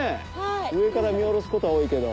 上から見下ろすことは多いけど。